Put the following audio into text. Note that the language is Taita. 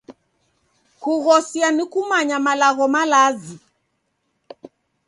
Kughosia ni kumanya malagho malazi.